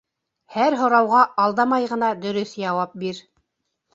Һәр һорауға алдамай ғына дөрөҫ яуап бир.